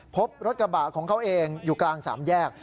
พบรถกระบะของเขาเองอยู่กลางสามแยก